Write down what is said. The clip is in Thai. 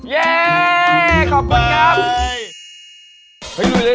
เย่ขอบคุณครับบ๊าย